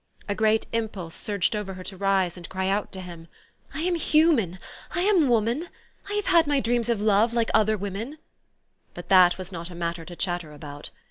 A great impulse surged over her to rise, and cry out to him, "I am human, I am woman! I have had my dreams of love like other women !'' But that was not a matter to chatter about.